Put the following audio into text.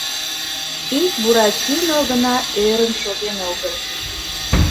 Ик Буратино гына ӧрын шоген огыл.